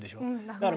だから。